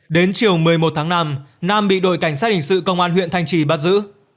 đến chiều một mươi một tháng năm nam bị đội cảnh sát hình sự công an huyện thanh trì bắt giữ